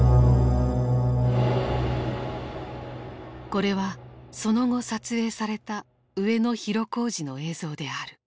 これはその後撮影された上野広小路の映像である。